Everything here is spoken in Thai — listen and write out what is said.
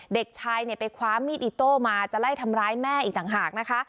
เด็กชายเนี่ยไปคว้ามีดอิโต้มาจะไล่ทำร้ายแม่อีกต่างหากนะคะ